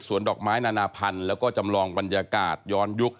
ดอกไม้นานาพันธุ์แล้วก็จำลองบรรยากาศย้อนยุค